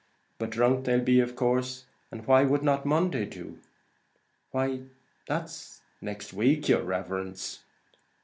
But drunk they'll be, of course. And why would not Monday do?" "Why that's next week, yer riverence!"